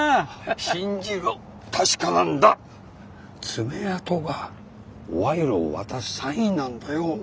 爪痕が賄賂を渡すサインなんだよ。